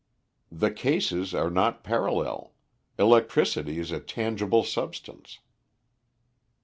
"The cases are not parallel. Electricity is a tangible substance."